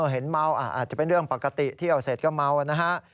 เห็นเมาอาจจะเป็นเรื่องปกติเที่ยวเสร็จก็เมานะฮะ